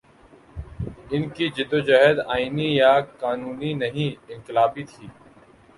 ان کی جد وجہد آئینی یا قانونی نہیں، انقلابی تھی۔